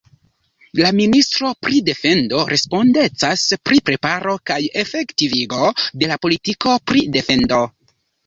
La ministro pri defendo respondecas pri preparo kaj efektivigo de la politiko pri defendo.